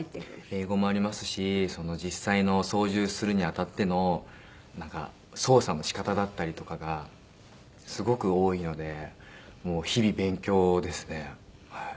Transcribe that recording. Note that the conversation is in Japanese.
英語もありますし実際の操縦するに当たっての操作の仕方だったりとかがすごく多いのでもう日々勉強ですねはい。